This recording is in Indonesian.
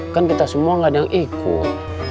kan kita semua gak ada yang ikut